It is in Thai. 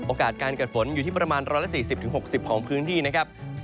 โอกาสการเกิดฝนอยู่ที่ประมาณ๑๔๐๖๐องศาเซียดของพื้นที่นะครับ